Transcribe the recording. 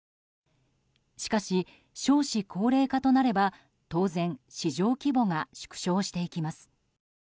しかし少子高齢化となれば、当然市場規模が縮小していきます。